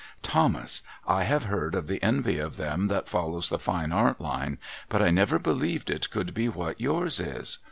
Thomas, I have heard of the envy of them that follows the Fine Art line, but I never believed it could be what yours is.